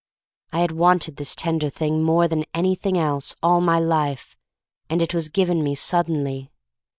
I had wanted this ten der thing more than anything else all my life, and it was given me suddenly.